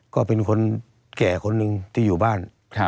ก็เป็นคนแก่คนหนึ่งที่อยู่บ้าน